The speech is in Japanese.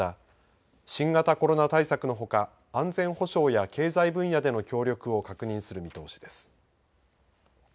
また新型コロナ対策のほか安全保障や経済分野での協力を確認する見通しです。